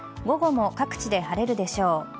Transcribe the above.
午後も各地で晴れるでしょう。